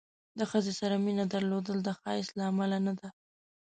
د ښځې سره مینه درلودل د ښایست له امله نه ده.